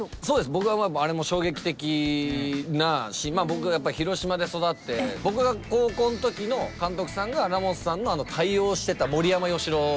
僕があれも衝撃的だし僕が広島で育って僕が高校の時の監督さんがラモスさんの対応をしてた森山佳郎監督なんですね。